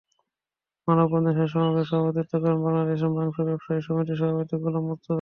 মানববন্ধন শেষে সমাবেশে সভাপতিত্ব করেন বাংলাদেশ মাংস ব্যবসায়ী সমিতির সভাপতি গোলাম মুর্তুজা।